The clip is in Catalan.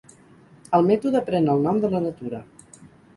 El mètode pren el nom de la natura.